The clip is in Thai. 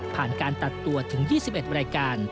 ผ่านการตัดตัวถึง๒๑วรรยากาศ